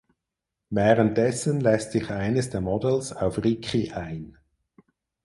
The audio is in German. Währenddessen lässt sich eines der Models auf Ricky ein.